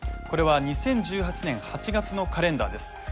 これは２０１８年８月のカレンダーです